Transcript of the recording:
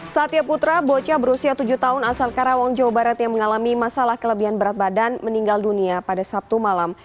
satya putra bocah berusia tujuh tahun asal karawang jawa barat yang mengalami masalah kelebihan berat badan meninggal dunia pada sabtu malam